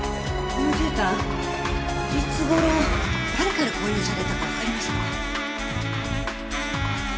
このじゅうたんいつ頃誰から購入されたかわかりませんか？